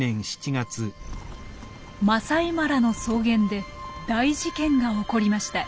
マサイマラの草原で大事件が起こりました。